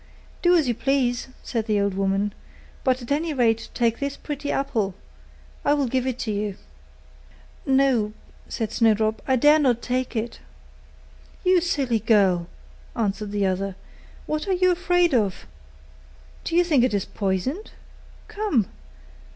'Do as you please,' said the old woman, 'but at any rate take this pretty apple; I will give it you.' 'No,' said Snowdrop, 'I dare not take it.' 'You silly girl!' answered the other, 'what are you afraid of? Do you think it is poisoned? Come!